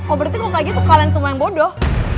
oh berarti kalau kayak gitu kalian semua yang bodoh